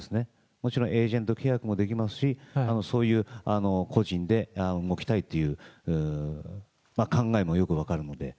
もちろんエージェント契約もできますし、そういう個人で動きたいという考えもよく分かるので。